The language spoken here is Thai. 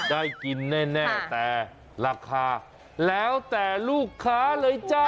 ได้กินแน่แต่ราคาแล้วแต่ลูกค้าเลยจ้า